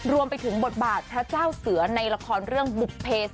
รวมไปถึงบทบาทพระเจ้าเสือในละครเรื่องบุภเพส